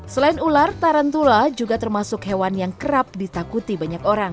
selain ular tarantula juga termasuk hewan yang kerap ditakuti banyak orang